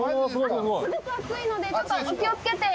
すごく熱いのでちょっと、お気をつけて。